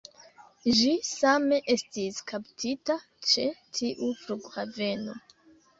Ĝi same estis kaptita ĉe tiu flughaveno